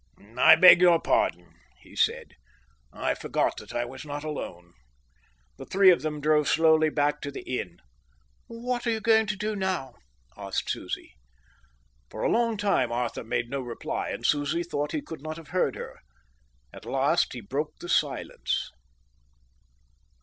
"I beg your pardon," he said, "I forgot that I was not alone." The three of them drove slowly back to the inn. "What are you going to do now?" asked Susie. For a long time Arthur made no reply, and Susie thought he could not have heard her. At last he broke the silence.